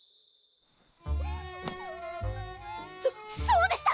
うんそそうでした！